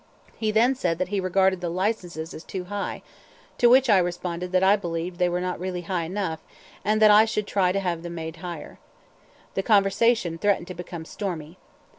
He then said that he regarded the licenses as too high; to which I responded that I believed they were really not high enough, and that I should try to have them made higher. The conversation threatened to become stormy.